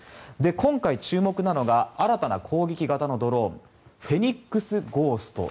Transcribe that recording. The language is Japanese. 今回、注目なのが新たな攻撃型のドローンフェニックスゴースト。